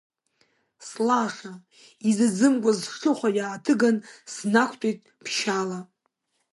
Слаша, иӡаӡымкуаз сҽыхәа иааҭыган снақәтәеит ԥшьала.